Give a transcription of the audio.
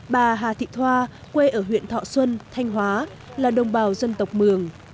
bà hà thị thoa quê ở huyện thọ xuân thanh hóa là đồng bào dân tộc mường